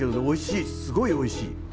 おいしいすごいおいしい。